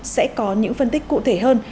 sẽ có những phân tích cụ thể hơn